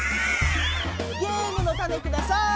ゲームのたねください！